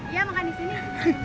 iya makan di sini